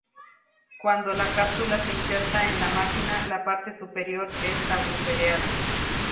Cuando la cápsula se inserta en la máquina, la parte superior es agujereada.